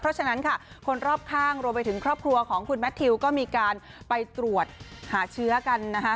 เพราะฉะนั้นค่ะคนรอบข้างรวมไปถึงครอบครัวของคุณแมททิวก็มีการไปตรวจหาเชื้อกันนะคะ